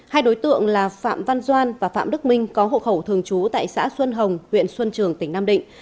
hai đối tượng là phạm văn doan và phạm đức minh có hộ khẩu thường trú tại xã xuân hồng huyện xuân trường tỉnh nam định